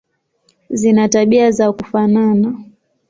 Zina tabia za kufanana.